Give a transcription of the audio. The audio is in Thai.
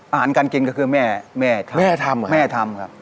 อาหารการกินก็คือแม่ทำแม่ทำครับ